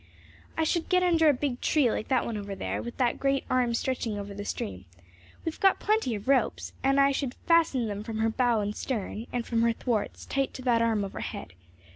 "I should get under a big tree, like that one over there, with that great arm stretching over the stream. We've got plenty of ropes, and I should fasten them from her bow and stern, and from her thwarts, tight to that arm overhead.